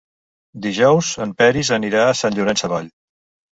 Dijous en Peris anirà a Sant Llorenç Savall.